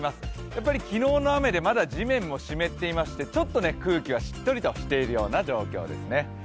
やっぱり昨日の雨でまだ地面も湿っていましてちょっと空気がしっとりとしている状況ですね。